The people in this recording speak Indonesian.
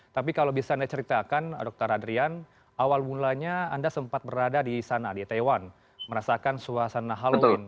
tapi kalau bisa anda ceritakan dr adrian awal mulanya anda sempat berada di sana di taiwan merasakan suasana halloween